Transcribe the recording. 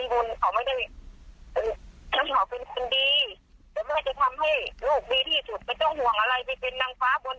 ทุกอย่างเดี๋ยวแม่ทำให้ลูกดีที่สุดเกิดชาติหน้าสันใดให้แม่ได้อุ้มหลาน